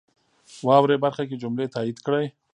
واورئ برخه کې جملې تایید کړئ.